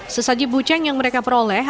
sesaji buceng yang mereka peroleh